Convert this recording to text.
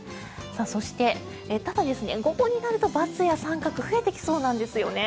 そしてただ、午後になると×や△増えてきそうなんですよね。